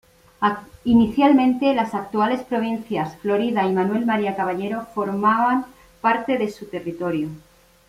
Inicialmente las actuales provincias Florida y Manuel María Caballero formaban parte de su territorio.